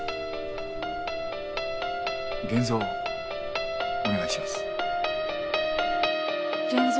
現像をお願いします。